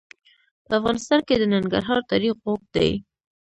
په افغانستان کې د ننګرهار تاریخ اوږد دی.